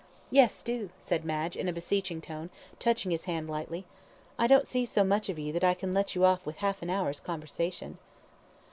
"Yes, do," said Madge, in a beseeching tone, touching his hand lightly. "I don't see so much of you that I can let you off with half an hour's conversation."